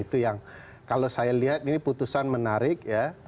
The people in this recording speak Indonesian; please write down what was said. itu yang kalau saya lihat ini putusan menarik ya